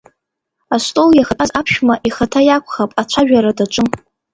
Астол иахатәаз аԥшәма ихаҭа иакәхап, ацәажәара даҿын…